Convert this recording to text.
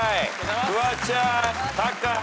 フワちゃんタカ。